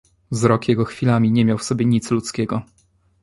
"Wzrok jego chwilami nie miał w sobie nic ludzkiego."